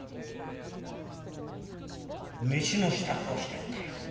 「飯の支度をしてったよ。